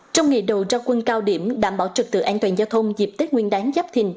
trong ngày đầu ra quân cao điểm đảm bảo trực tự an toàn giao thông dịp tết nguyên đáng giáp thình